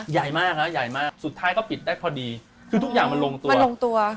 ใหญ่มากครับสุดท้ายก็ปิดได้พอดีคือทุกอย่างมันลงตัว